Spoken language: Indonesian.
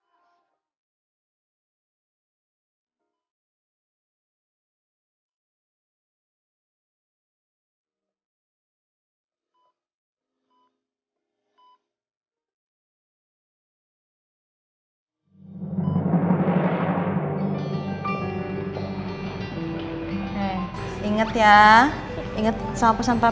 aku beruntung kamu gak pernah